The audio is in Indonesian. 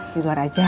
di luar aja